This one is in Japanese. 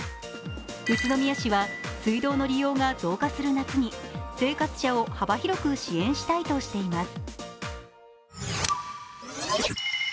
宇都宮市は水道の利用が増加する夏に生活者を幅広く支援したいとしています。